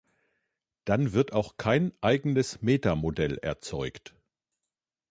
Dann wird auch kein eigenes Metamodell erzeugt.